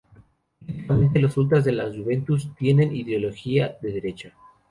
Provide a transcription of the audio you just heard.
Políticamente, los ultras de la Juventus tienen ideología de derecha.